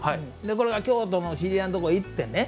これが京都の知り合いのとこ行って。